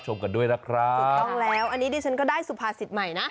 ถูกต้องแล้วอันนี้ดิฉันก็ได้สุภาษิตใหม่นะ